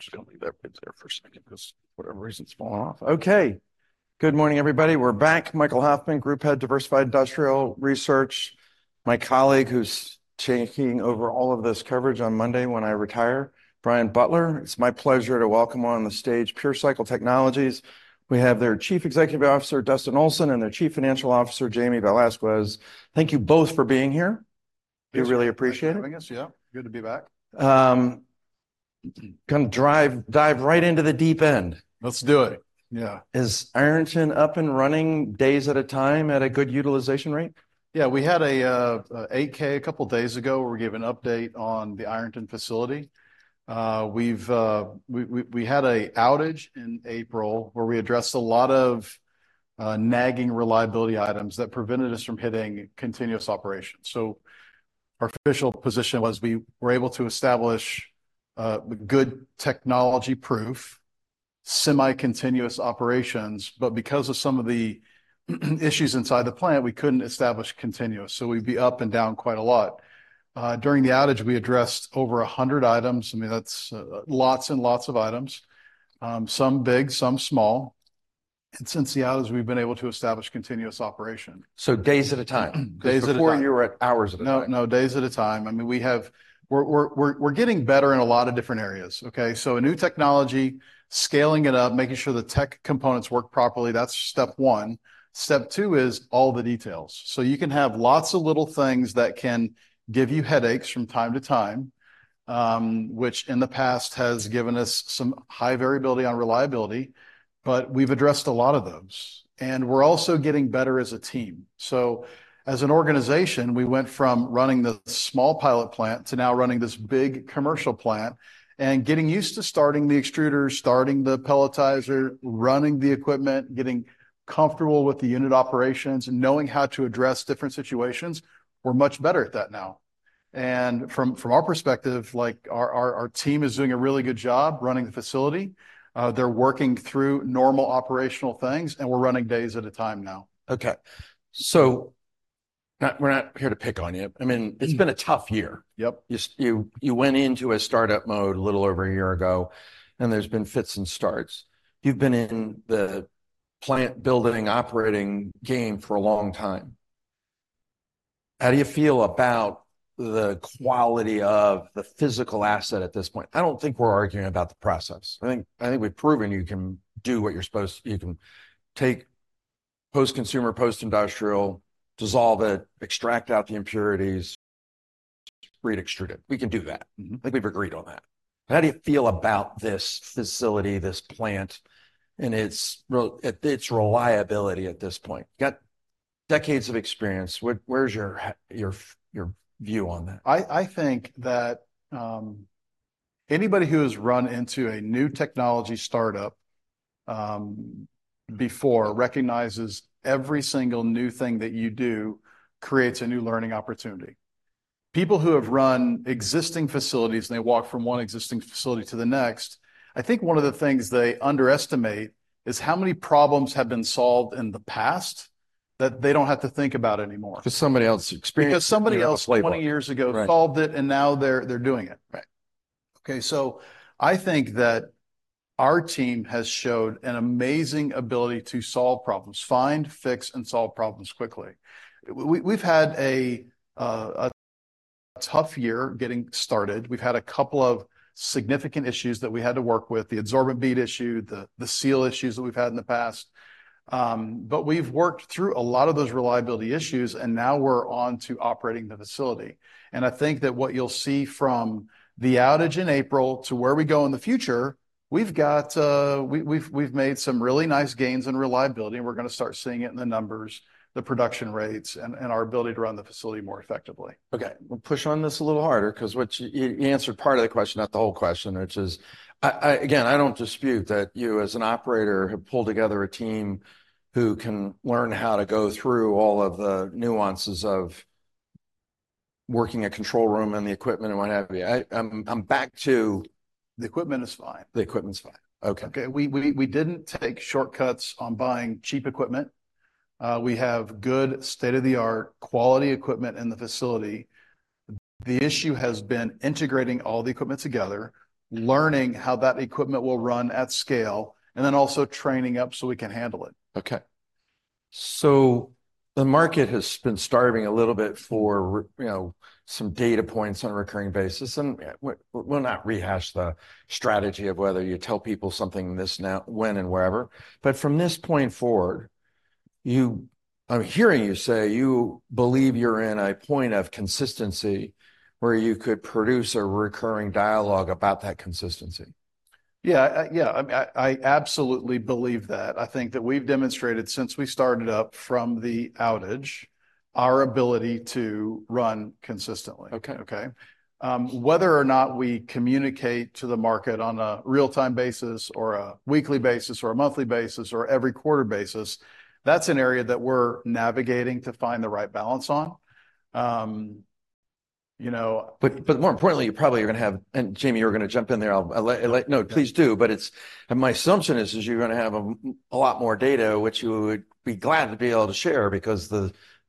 We're good? All right, just gonna leave that bit there for a second, 'cause for whatever reason, it's falling off. Okay. Good morning, everybody, we're back. Michael Hoffman, Group Head, Diversified Industrial Research. My colleague, who's taking over all of this coverage on Monday when I retire, Brian Butler. It's my pleasure to welcome on the stage, PureCycle Technologies. We have their Chief Executive Officer, Dustin Olson, and their Chief Financial Officer, Jaime Vasquez. Thank you both for being here. We really appreciate it. Thanks for having us. Yeah, good to be back. Gonna drive, dive right into the deep end. Let's do it. Yeah. Is Ironton up and running days at a time at a good utilization rate? Yeah, we had an 8-K a couple of days ago, where we gave an update on the Ironton facility. We had an outage in April, where we addressed a lot of nagging reliability items that prevented us from hitting continuous operations. So our official position was, we were able to establish good technology proof, semi-continuous operations, but because of some of the issues inside the plant, we couldn't establish continuous, so we'd be up and down quite a lot. During the outage, we addressed over 100 items. I mean, that's lots and lots of items. Some big, some small, and since the outage, we've been able to establish continuous operation. So days at a time? Days at a time. Before, you were at hours at a time. No, no, days at a time. I mean, we have we're getting better in a lot of different areas, okay? So a new technology, scaling it up, making sure the tech components work properly, that's step one. Step two is all the details. So you can have lots of little things that can give you headaches from time to time, which, in the past, has given us some high variability on reliability, but we've addressed a lot of those. And we're also getting better as a team. So, as an organization, we went from running the small pilot plant to now running this big commercial plant, and getting used to starting the extruders, starting the pelletizer, running the equipment, getting comfortable with the unit operations, and knowing how to address different situations. We're much better at that now. From our perspective, like, our team is doing a really good job running the facility. They're working through normal operational things, and we're running days at a time now. Okay, so we're not here to pick on you. I mean, it's been a tough year. Yep. You went into a start-up mode a little over a year ago, and there's been fits and starts. You've been in the plant-building, operating game for a long time. How do you feel about the quality of the physical asset at this point? I don't think we're arguing about the process. I think, I think we've proven you can do what you're supposed. You can take post-consumer, post-industrial, dissolve it, extract out the impurities, re-extrude it. We can do that. I think we've agreed on that. How do you feel about this facility, this plant, and its reliability at this point? You've got decades of experience. Where's your view on that? I think that anybody who has run into a new technology start-up before recognizes every single new thing that you do creates a new learning opportunity. People who have run existing facilities, and they walk from one existing facility to the next, I think one of the things they underestimate is how many problems have been solved in the past that they don't have to think about anymore. Cause somebody else experienced. Because somebody else. 20 years ago, solved it, and now they're, they're doing it. Right. Okay, so I think that our team has showed an amazing ability to solve problems, find, fix, and solve problems quickly. We, we've had a tough year getting started. We've had a couple of significant issues that we had to work with: the adsorbent bead issue, the seal issues that we've had in the past. But we've worked through a lot of those reliability issues, and now we're on to operating the facility. And I think that what you'll see from the outage in April to where we go in the future, we've got we, we've made some really nice gains in reliability, and we're gonna start seeing it in the numbers, the production rates, and our ability to run the facility more effectively. Okay, we'll push on this a little harder, cause what you answered part of the question, not the whole question, which is, again, I don't dispute that you, as an operator, have pulled together a team who can learn how to go through all of the nuances of working a control room and the equipment and what have you. I'm back to the equipment is fine. The equipment's fine. Okay. Okay, we didn't take shortcuts on buying cheap equipment. We have good, state-of-the-art, quality equipment in the facility. The issue has been integrating all the equipment together, learning how that equipment will run at scale, and then also training up so we can handle it. Okay. So the market has been starving a little bit for, you know, some data points on a recurring basis. And we'll not rehash the strategy of whether you tell people something this, now, when, and wherever. But from this point forward, you, I'm hearing you say you believe you're in a point of consistency, where you could produce a recurring dialogue about that consistency. Yeah. Yeah, I absolutely believe that. I think that we've demonstrated, since we started up from the outage, our ability to run consistently. Okay. Okay? Whether or not we communicate to the market on a real-time basis, or a weekly basis, or a monthly basis, or every quarter basis, that's an area that we're navigating to find the right balance on. You know- But more importantly, you probably are gonna have, and Jaime, you were gonna jump in there. I'll let, No, please do, but it's, and my assumption is you're gonna have a lot more data, which you would be glad to be able to share because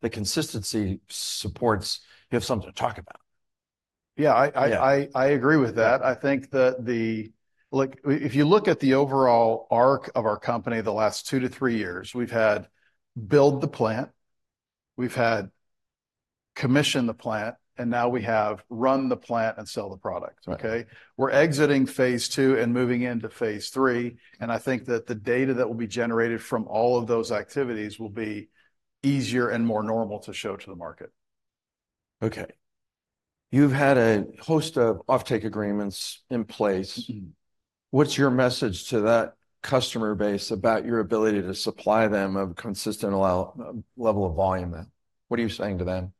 the consistency supports you have something to talk about. Yeah, I agree with that. I think that the, like, if you look at the overall arc of our company the last 2-3 years, we've had build the plant, we've had commission the plant, and now we have run the plant and sell the product. Right. Okay? We're exiting phase two and moving into phase three, and I think that the data that will be generated from all of those activities will be easier and more normal to show to the market. Okay. You've had a host of offtake agreements in place. What's your message to that customer base about your ability to supply them a consistent level of volume then? What are you saying to them?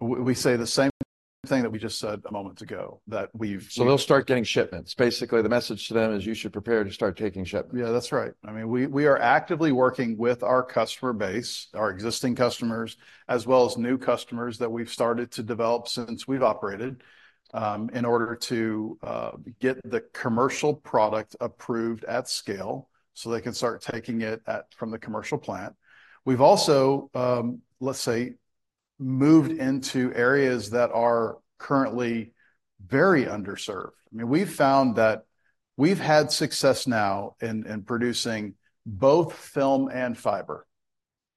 We say the same thing that we just said a moment ago, that we've- So they'll start getting shipments. Basically, the message to them is, "You should prepare to start taking shipments. Yeah, that's right. I mean, we are actively working with our customer base, our existing customers, as well as new customers that we've started to develop since we've operated, in order to get the commercial product approved at scale so they can start taking it, from the commercial plant. We've also, let's say, moved into areas that are currently very underserved. I mean, we've found that we've had success now in producing both film and fiber,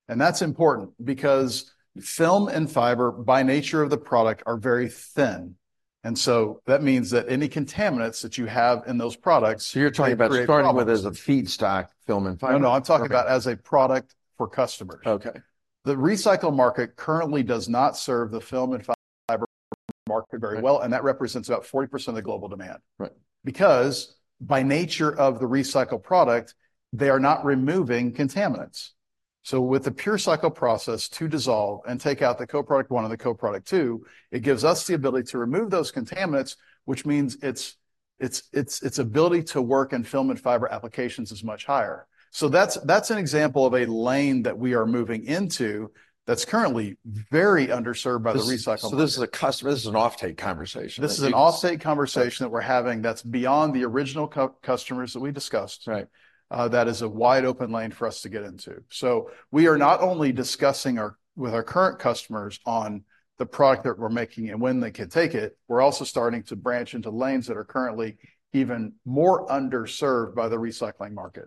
and that's important, because film and fiber, by nature of the product, are very thin, and so that means that any contaminants that you have in those products. So you're talking about starting with as a feedstock, film and fiber? No, no, I'm talking about as a product for customers. Okay. The recycle market currently does not serve the film and fiber market very well. and that represents about 40% of the global demand. Right. Because by nature of the recycled product, they are not removing contaminants. So with the PureCycle process to dissolve and take out the co-product one and the co-product two, it gives us the ability to remove those contaminants, which means its ability to work in film and fiber applications is much higher. So that's an example of a lane that we are moving into that's currently very underserved by the recycle market. This is an offtake conversation. This is an offtake conversation that we're having that's beyond the original customers that we discussed. Right. That is a wide open lane for us to get into. So we are not only discussing our, with our current customers on the product that we're making and when they can take it, we're also starting to branch into lanes that are currently even more underserved by the recycling market.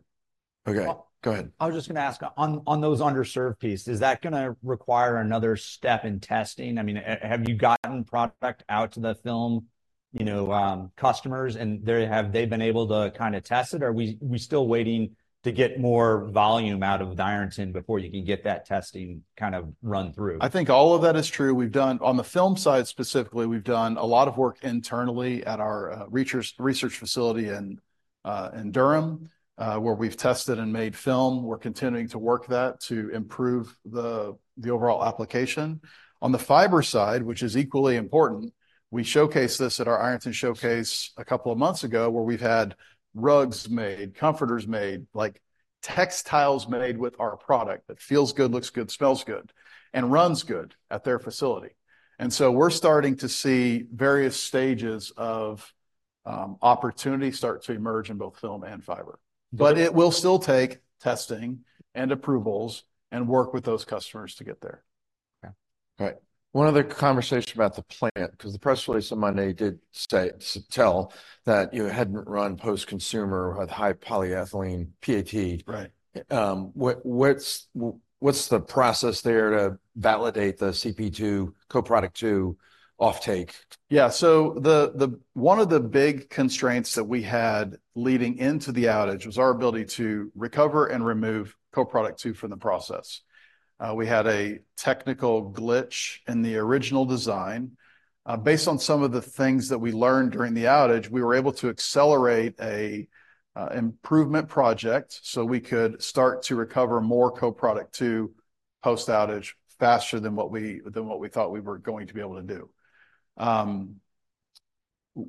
Okay. Go ahead. I was just gonna ask, on those underserved piece, is that gonna require another step in testing? I mean, have you gotten product out to the film, you know, customers, and have they been able to kind of test it, or are we still waiting to get more volume out of the Ironton before you can get that testing kind of run through? I think all of that is true. We've done, on the film side specifically, we've done a lot of work internally at our research facility in Durham, where we've tested and made film. We're continuing to work that to improve the overall application. On the fiber side, which is equally important, we showcased this at our Ironton Showcase a couple of months ago, where we've had rugs made, comforters made, like textiles made with our product, that feels good, looks good, smells good, and runs good, at their facility. And so we're starting to see various stages of opportunity start to emerge in both film and fiber. But it will still take testing and approvals and work with those customers to get there. Okay. Right. One other conversation about the plant, cause the press release on Monday did say, tell that you hadn't run post-consumer with high polyethylene PET. Right. What's the process there to validate the CP2, co-product two offtake? Yeah, so the one of the big constraints that we had leading into the outage was our ability to recover and remove co-product two from the process. We had a technical glitch in the original design. Based on some of the things that we learned during the outage, we were able to accelerate a improvement project so we could start to recover more co-product two post-outage faster than what we thought we were going to be able to do.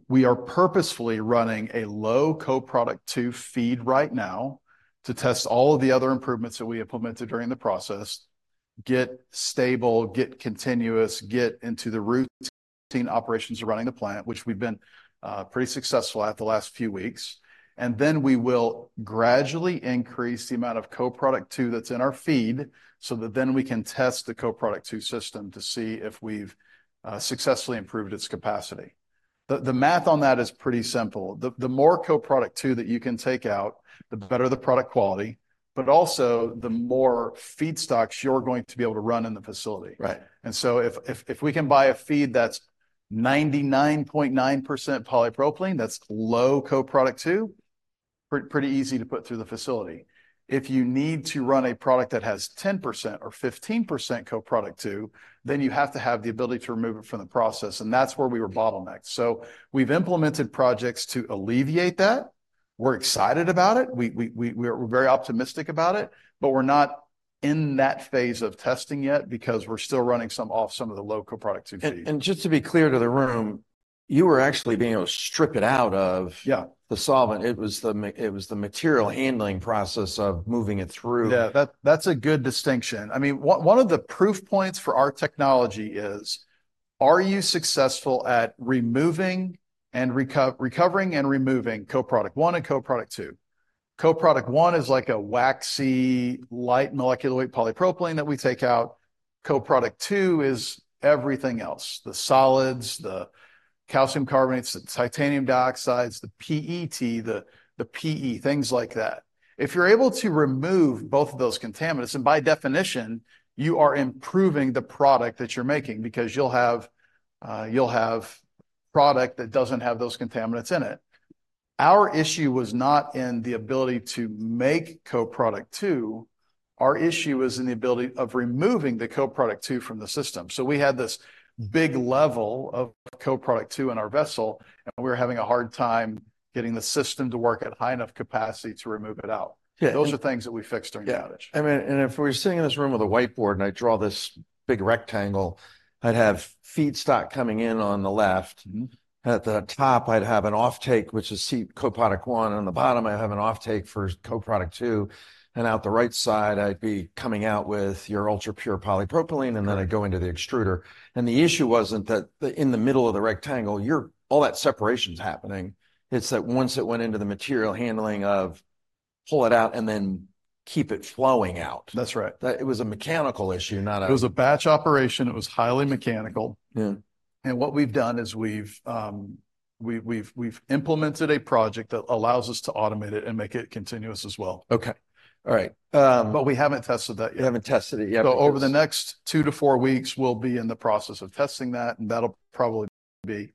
We are purposefully running a low co-product two feed right now to test all of the other improvements that we implemented during the process, get stable, get continuous, get into the routine operations of running the plant, which we've been pretty successful at the last few weeks. And then we will gradually increase the amount of co-product two that's in our feed so that then we can test the co-product two system to see if we've successfully improved its capacity. The math on that is pretty simple. The more co-product two that you can take out, the better the product quality, but also the more feedstocks you're going to be able to run in the facility. Right. So if we can buy a feed that's 99.9% polypropylene, that's low co-product two, pretty easy to put through the facility. If you need to run a product that has 10% or 15% co-product two, then you have to have the ability to remove it from the process, and that's where we were bottlenecked. So we've implemented projects to alleviate that. We're excited about it, we're very optimistic about it, but we're not in that phase of testing yet, because we're still running some off some of the low co-product two feed. Just to be clear to the room, you were actually being able to strip it out of. Yeah The solvent. It was the material handling process of moving it through. Yeah, that, that's a good distinction. I mean, one, one of the proof points for our technology is, are you successful at removing and recovering and removing co-product one and co-product two? Co-product one is like a waxy, light molecular weight polypropylene that we take out. Co-product two is everything else, the solids, the calcium carbonates, the titanium dioxides, the PET, the PE, things like that. If you're able to remove both of those contaminants, then by definition, you are improving the product that you're making, because you'll have, you'll have product that doesn't have those contaminants in it. Our issue was not in the ability to make co-product two, our issue was in the ability of removing the co-product two from the system. We had this big level of Co-product two in our vessel, and we were having a hard time getting the system to work at high enough capacity to remove it out. Yeah. Those are things that we fixed during the outage. Yeah. I mean, and if we were sitting in this room with a whiteboard, and I draw this big rectangle, I'd have feedstock coming in on the left at the top, I'd have an offtake, which is co-product one, and on the bottom I'd have an offtake for co-product two, and out the right side, I'd be coming out with your ultrapure polypropylene and then I'd go into the extruder. The issue wasn't that in the middle of the rectangle where all that separation's happening. It's that once it went into the material handling to pull it out and then keep it flowing out. That's right. That it was a mechanical issue, not a It was a batch operation. It was highly mechanical. Yeah. What we've done is we've implemented a project that allows us to automate it and make it continuous as well. Okay. All right. But we haven't tested that yet. You haven't tested it yet. Over the next two to four weeks, we'll be in the process of testing that, and that'll probably be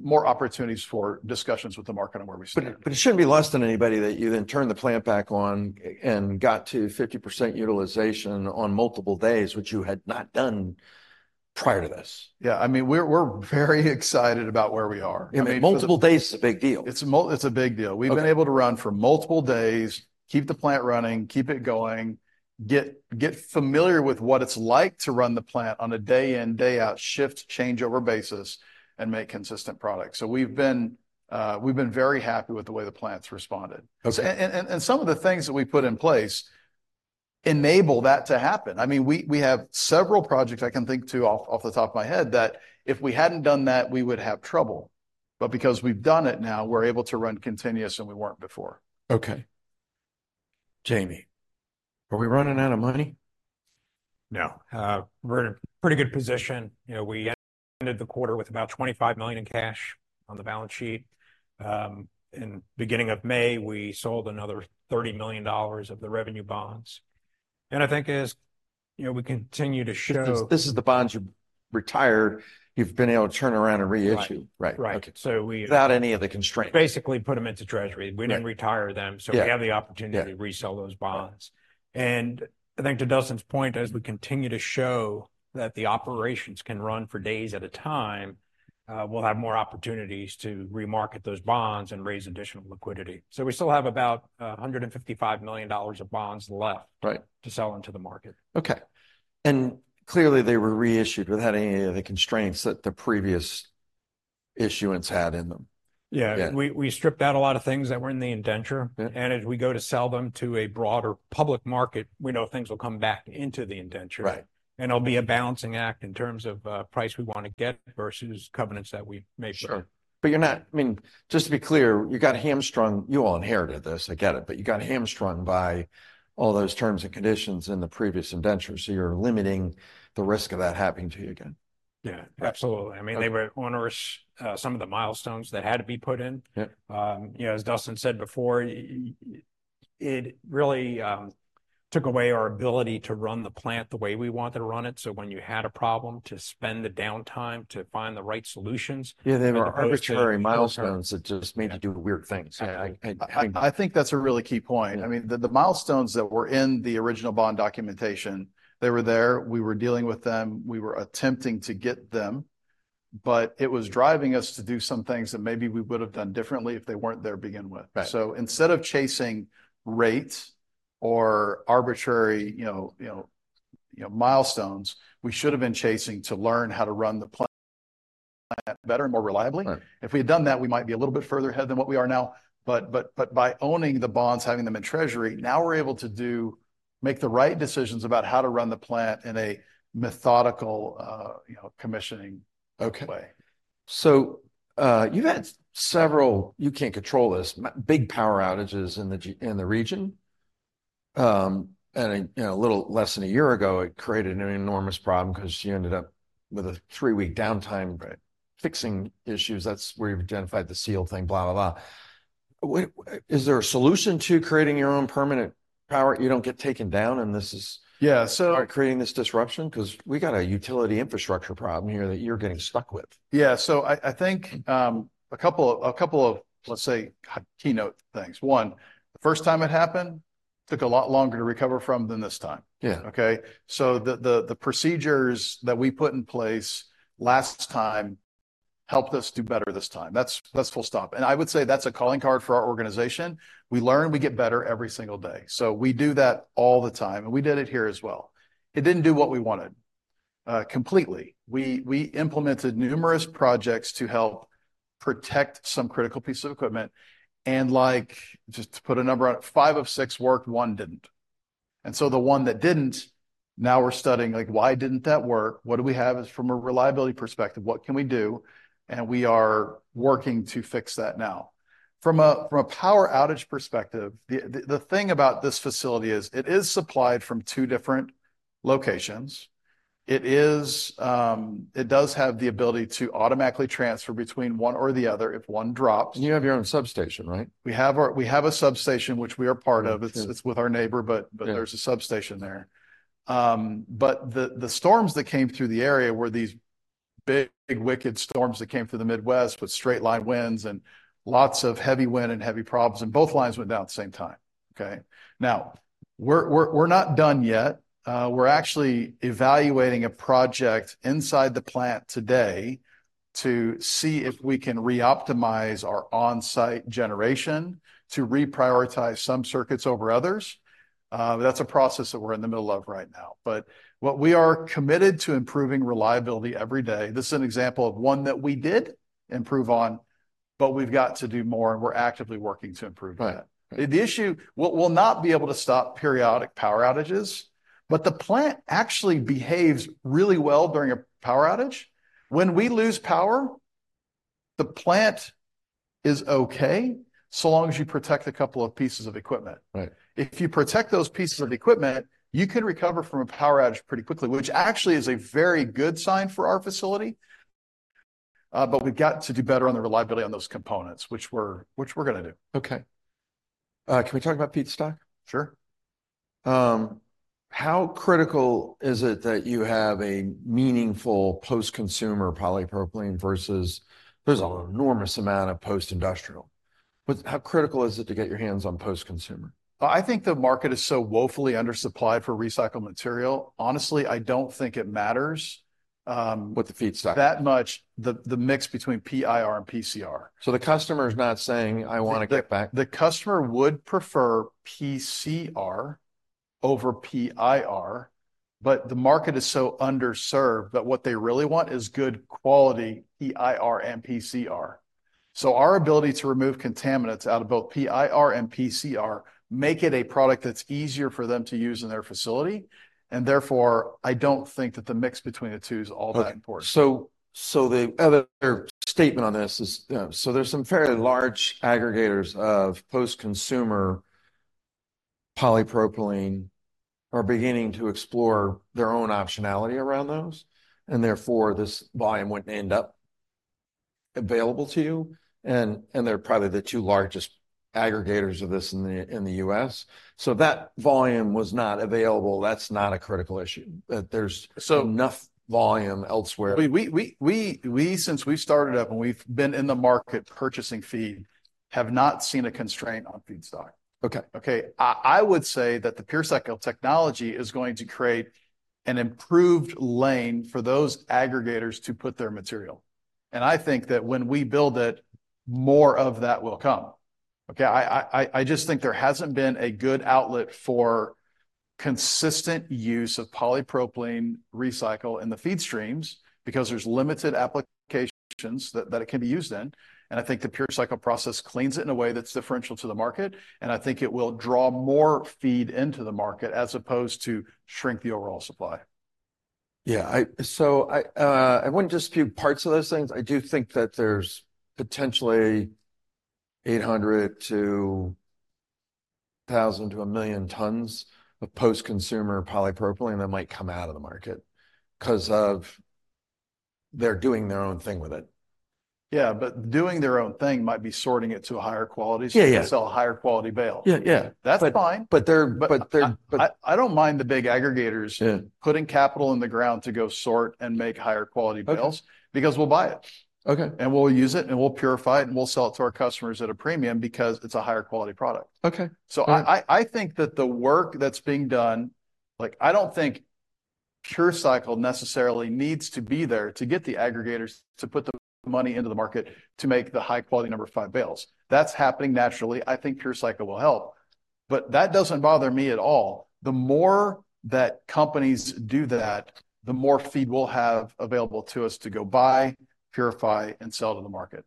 more opportunities for discussions with the market on where we stand. But it shouldn't be less than anybody that you then turn the plant back on and got to 50% utilization on multiple days, which you had not done prior to this. Yeah. I mean, we're, we're very excited about where we are. I mean- Yeah, multiple days is a big deal. It's a big deal. Okay. We've been able to run for multiple days, keep the plant running, keep it going, get familiar with what it's like to run the plant on a day in, day out, shift changeover basis, and make consistent products. So we've been, we've been very happy with the way the plant's responded. Okay. And some of the things that we put in place enable that to happen. I mean, we have several projects I can think of off the top of my head, that if we hadn't done that, we would have trouble. But because we've done it now, we're able to run continuous, and we weren't before. Okay. Jaime, are we running out of money? No. We're in a pretty good position. You know, we ended the quarter with about $25 million in cash on the balance sheet. In beginning of May, we sold another $30 million of the revenue bonds. And I think as, you know, we continue to show. This is the bonds you retired, you've been able to turn around and reissue. Right. Right. Right. Okay. So we- Without any of the constraints Basically put them into Treasury we didn't retire them. So we have the opportunity to resell those bonds. I think to Dustin's point, as we continue to show that the operations can run for days at a time, we'll have more opportunities to remarket those bonds and raise additional liquidity. We still have about $155 million of bonds left to sell into the market. Okay. Clearly, they were reissued without any of the constraints that the previous issuance had in them. Yeah. Yeah. We stripped out a lot of things that were in the indenture. Yeah. As we go to sell them to a broader public market, we know things will come back into the indenture. Right. It'll be a balancing act in terms of price we want to get versus covenants that we made sure. Sure. But you're not, I mean, just to be clear, you got hamstrung. You all inherited this, I get it, but you got hamstrung by all those terms and conditions in the previous indenture, so you're limiting the risk of that happening to you again. Yeah, absolutely. Okay. I mean, they were onerous, some of the milestones that had to be put in. Yeah. You know, as Dustin said before, it really took away our ability to run the plant the way we wanted to run it, so when you had a problem, to spend the downtime to find the right solutions- Yeah, there were arbitrary milestones- That just made you do weird things. I think that's a really key point. I mean, the milestones that were in the original bond documentation, they were there, we were dealing with them, we were attempting to get them, but it was driving us to do some things that maybe we would've done differently if they weren't there to begin with. Right. So instead of chasing rates or arbitrary, you know, you know, you know, milestones, we should have been chasing to learn how to run the plant better and more reliably. Right. If we had done that, we might be a little bit further ahead than what we are now, but, but, but by owning the bonds, having them in Treasury, now we're able to do, make the right decisions about how to run the plant in a methodical, you know, commissioning way. So, you've had several, you can't control this, big power outages in the region. And, you know, a little less than a year ago, it created an enormous problem, 'cause you ended up with a three-week downtime fixing issues. That's where you've identified the seal thing, blah, blah, blah. Is there a solution to creating your own permanent power, you don't get taken down, and this is start creating this disruption? Cause we got a utility infrastructure problem here that you're getting stuck with. Yeah, so I think a couple of, let's say, keynote things. One, the first time it happened, took a lot longer to recover from than this time. Yeah. Okay? So the procedures that we put in place last time helped us do better this time. That's full stop. And I would say that's a calling card for our organization. We learn, we get better every single day. So we do that all the time, and we did it here as well. It didn't do what we wanted completely. We implemented numerous projects to help protect some critical pieces of equipment, and like, just to put a number on it, 5 of 6 worked, one didn't. And so the one that didn't, now we're studying, like, why didn't that work? What do we have from a reliability perspective, what can we do? And we are working to fix that now. From a power outage perspective, the thing about this facility is it is supplied from two different locations. It is, it does have the ability to automatically transfer between one or the other if one drops. And you have your own substation, right? We have a substation which we are part of. Yeah. It's with our neighbor, but there's a substation there. But the storms that came through the area were these big, wicked storms that came through the Midwest with straight line winds and lots of heavy wind and heavy problems, and both lines went down at the same time, okay? Now, we're not done yet. We're actually evaluating a project inside the plant today to see if we can re-optimize our on-site generation to reprioritize some circuits over others. That's a process that we're in the middle of right now. But what we are committed to improving reliability every day. This is an example of one that we did improve on, but we've got to do more, and we're actively working to improve that. Right. The issue, we'll not be able to stop periodic power outages, but the plant actually behaves really well during a power outage. When we lose power, the plant is okay, so long as you protect a couple of pieces of equipment. Right. If you protect those pieces of equipment, you can recover from a power outage pretty quickly, which actually is a very good sign for our facility. But we've got to do better on the reliability on those components, which we're gonna do. Okay. Can we talk about feedstock? Sure. How critical is it that you have a meaningful post-consumer polypropylene versus—there's an enormous amount of post-industrial. But how critical is it to get your hands on post-consumer? I think the market is so woefully undersupplied for recycled material. Honestly, I don't think it matters. With the feedstock. That much, the mix between PIR and PCR. So the customer is not saying, "I wanna get back. The customer would prefer PCR over PIR, but the market is so underserved that what they really want is good quality PIR and PCR. So our ability to remove contaminants out of both PIR and PCR make it a product that's easier for them to use in their facility, and therefore, I don't think that the mix between the two is all that important. So, the other statement on this is, so there's some fairly large aggregators of post-consumer polypropylene are beginning to explore their own optionality around those, and therefore, this volume wouldn't end up available to you, and they're probably the two largest aggregators of this in the U.S. So if that volume was not available, that's not a critical issue. There's enough volume elsewhere. Since we started up and we've been in the market purchasing feed, have not seen a constraint on feedstock. Okay. Okay, I would say that the PureCycle technology is going to create an improved lane for those aggregators to put their material. I think that when we build it, more of that will come. Okay, I just think there hasn't been a good outlet for consistent use of polypropylene recycle in the feed streams because there's limited applications that it can be used in, and I think the PureCycle process cleans it in a way that's differential to the market, and I think it will draw more feed into the market as opposed to shrink the overall supply. Yeah, so I wouldn't dispute parts of those things. I do think that there's potentially 800-1,000-1,000,000 tons of post-consumer polypropylene that might come out of the market 'cause they're doing their own thing with it. Yeah, but doing their own thing might be sorting it to a higher quality so they can sell a higher quality bale. Yeah, yeah. That's fine. But they're I don't mind the big aggregators putting capital in the ground to go sort and make higher quality bales because we'll buy it. We'll use it, and we'll purify it, and we'll sell it to our customers at a premium because it's a higher quality product. Okay. So I think that the work that's being done, like, I don't think PureCycle necessarily needs to be there to get the aggregators to put the money into the market to make the high-quality number five bales. That's happening naturally. I think PureCycle will help, but that doesn't bother me at all. The more that companies do that, the more feed we'll have available to us to go buy, purify, and sell to the market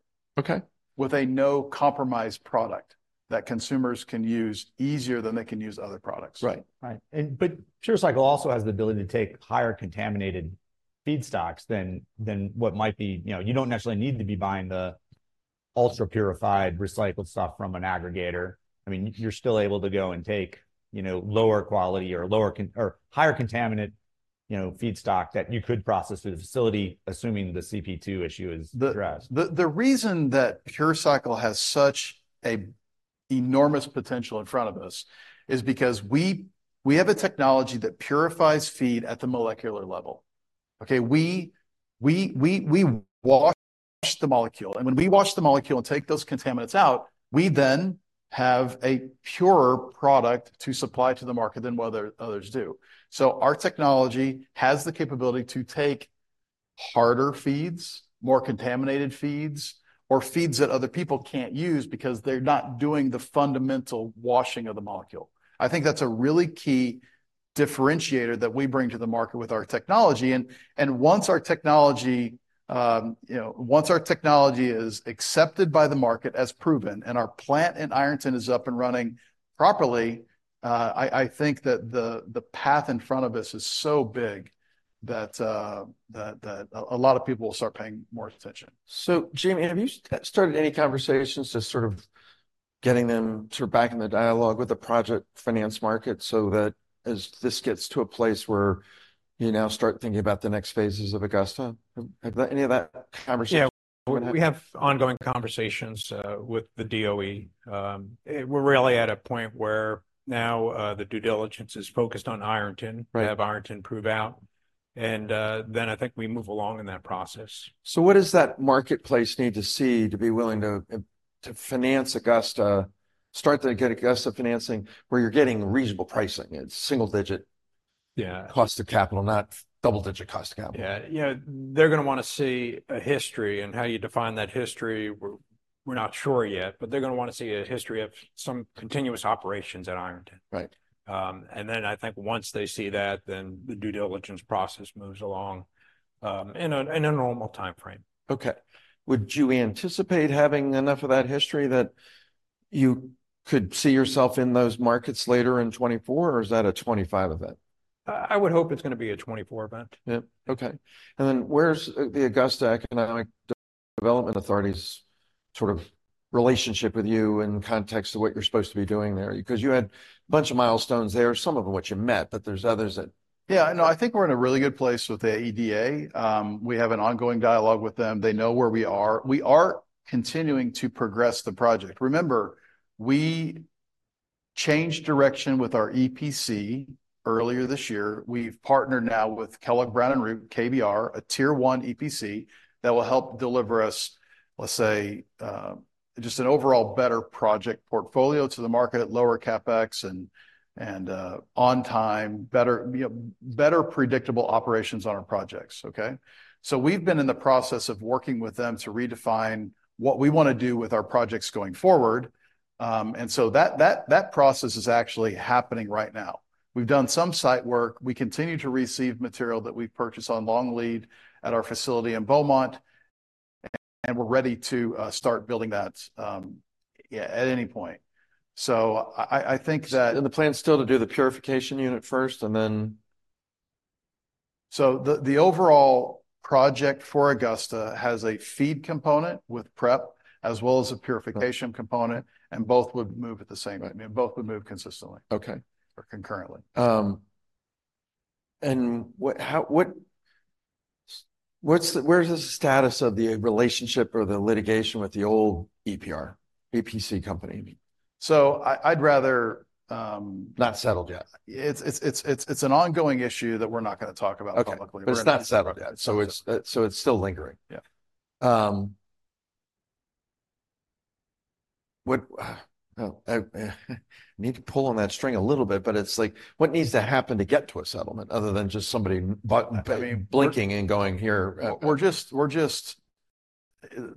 with a no-compromise product that consumers can use easier than they can use other products. Right. Right. PureCycle also has the ability to take higher contaminated feedstocks than what might be... You know, you don't necessarily need to be buying the ultra-purified, recycled stuff from an aggregator. I mean, you're still able to go and take, you know, lower quality or higher contaminant, you know, feedstock that you could process through the facility, assuming the CP2 issue is addressed. The reason that PureCycle has such a enormous potential in front of us is because we have a technology that purifies feed at the molecular level. Okay, we wash the molecule, and when we wash the molecule and take those contaminants out, we then have a purer product to supply to the market than what other, others do. So our technology has the capability to take harder feeds, more contaminated feeds, or feeds that other people can't use because they're not doing the fundamental washing of the molecule. I think that's a really key differentiator that we bring to the market with our technology. You know, once our technology is accepted by the market as proven, and our plant in Ironton is up and running properly, I think that the path in front of us is so big that a lot of people will start paying more attention. So Jaime, have you started any conversations to sort of getting them sort of back in the dialogue with the project finance market so that as this gets to a place where you now start thinking about the next phases of Augusta? Have any of that conversation. Yeah, we have ongoing conversations with the DOE. We're really at a point where now the due diligence is focused on Ironton to have Ironton prove out. And, then I think we move along in that process. So what does that marketplace need to see to be willing to finance Augusta, start to get Augusta financing, where you're getting reasonable pricing? It's single digit. Yeah Cost of capital, not double-digit cost of capital. Yeah. You know, they're gonna wanna see a history, and how you define that history, we're, we're not sure yet. But they're gonna wanna see a history of some continuous operations at Ironton. Right. And then I think once they see that, then the due diligence process moves along in a normal timeframe. Okay. Would you anticipate having enough of that history that you could see yourself in those markets later in 2024, or is that a 2025 event? I would hope it's gonna be a 2024 event. Yeah. Okay. And then where's the Augusta Economic Development Authority's sort of relationship with you in context of what you're supposed to be doing there? 'Cause you had a bunch of milestones there, some of which you met, but there's others that. Yeah, no, I think we're in a really good place with the EDA. We have an ongoing dialogue with them. They know where we are. We are continuing to progress the project. Remember, we changed direction with our EPC earlier this year. We've partnered now with Kellogg Brown and Root, KBR, a tier one EPC, that will help deliver us, let's say, just an overall better project portfolio to the market at lower CapEx and on time, better, you know, better predictable operations on our projects, okay? So we've been in the process of working with them to redefine what we wanna do with our projects going forward. And so that process is actually happening right now. We've done some site work. We continue to receive material that we've purchased on long lead at our facility in Beaumont, and we're ready to start building that, yeah, at any point. So I think that- The plan is still to do the purification unit first, and then. So the overall project for Augusta has a feed component with prep, as well as a purification component, and both would move at the same time. Right. I mean, both would move consistently or concurrently. And what's the status of the relationship or the litigation with the old EPC company, I mean? So, I'd rather, Not settled yet. It's an ongoing issue that we're not gonna talk about publicly. Okay. But it's not settled yet, so it's still lingering. Yeah. I need to pull on that string a little bit, but it's like, what needs to happen to get to a settlement, other than just somebody blinking and going, "Here, We're just...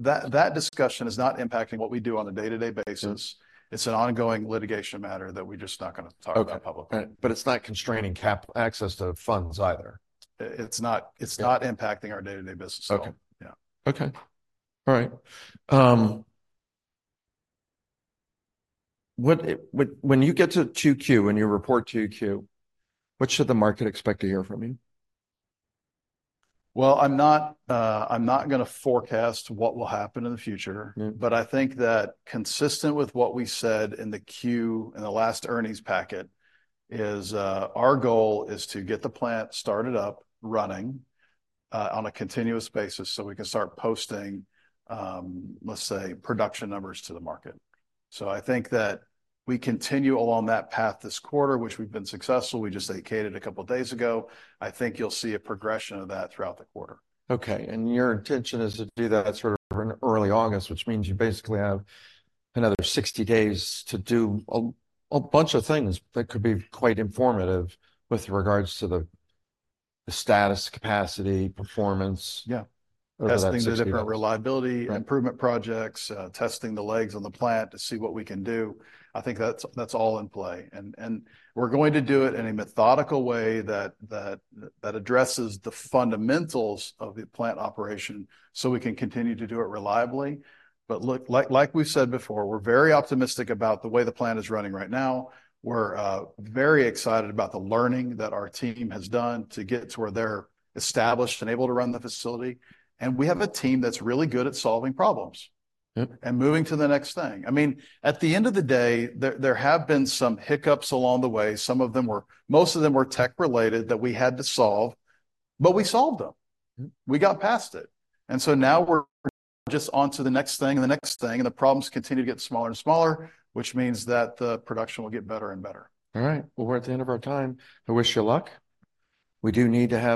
that discussion is not impacting what we do on a day-to-day basis. It's an ongoing litigation matter that we're just not gonna talk about publicly. Okay. But it's not constraining capital access to funds either? It's not, it's not impacting our day-to-day business at all. Okay. Yeah. Okay. All right. When you get to 2Q, when you report 2Q, what should the market expect to hear from you? Well, I'm not, I'm not gonna forecast what will happen in the future. But I think that consistent with what we said in the Q, in the last earnings packet, is, our goal is to get the plant started up, running, on a continuous basis so we can start posting, let's say, production numbers to the market. So I think that we continue along that path this quarter, which we've been successful. We just activated a couple of days ago. I think you'll see a progression of that throughout the quarter. Okay, and your intention is to do that sort of in early August, which means you basically have another 60 days to do a bunch of things that could be quite informative with regards to the status, capacity, performance over that 60 days. Testing the different reliability improvement projects, testing the legs on the plant to see what we can do. I think that's all in play. And we're going to do it in a methodical way that addresses the fundamentals of the plant operation, so we can continue to do it reliably. But look, like we've said before, we're very optimistic about the way the plant is running right now. We're very excited about the learning that our team has done to get to where they're established and able to run the facility, and we have a team that's really good at solving problems and moving to the next thing. I mean, at the end of the day, there have been some hiccups along the way. Some of them were most of them were tech-related that we had to solve, but we solved them. We got past it. And so now we're just onto the next thing and the next thing, and the problems continue to get smaller and smaller, which means that the production will get better and better. All right. Well, we're at the end of our time. I wish you luck. We do need to have.